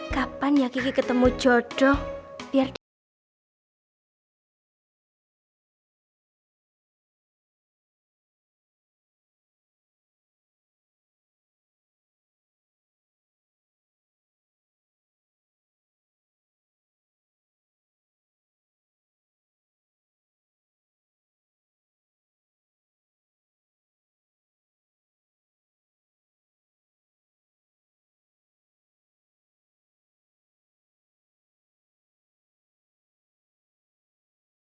kapan ya gigi ketemu jodoh biar dia